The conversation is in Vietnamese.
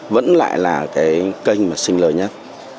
vẫn lại là kênh sinh lợi nhất